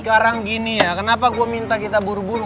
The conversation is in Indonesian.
sekarang gini ya kenapa gue minta kita buru buru